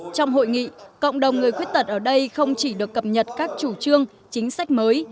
trong hội nghị cộng đồng người khuyết tật ở đây không chỉ được cập nhật các chủ trương chính sách mới